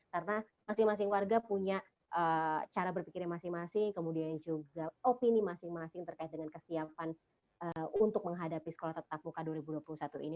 karena masing masing warga punya cara berpikirnya masing masing kemudian juga opini masing masing terkait dengan kesiapan untuk menghadapi sekolah tetap buka dua ribu dua puluh satu ini